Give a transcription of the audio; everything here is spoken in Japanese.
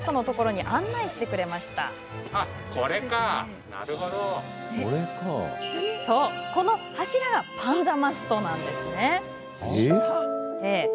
そう、この柱がパンザマストなんです。